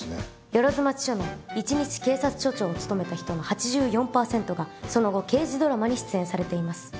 万町署の１日警察署長を務めた人の８４％がその後刑事ドラマに出演されています。